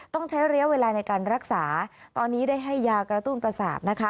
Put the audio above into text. ต้องใช้ระยะเวลาในการรักษาตอนนี้ได้ให้ยากระตุ้นประสาทนะคะ